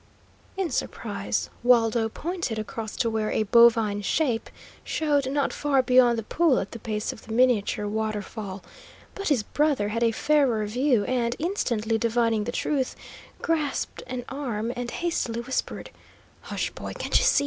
In surprise Waldo pointed across to where a bovine shape showed not far beyond the pool at the base of the miniature waterfall; but his brother had a fairer view, and, instantly divining the truth, grasped an arm and hastily whispered: "Hush, boy; can't you see?